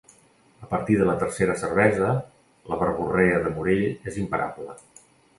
A partir de la tercera cervesa la verborrea del Morell és imparable.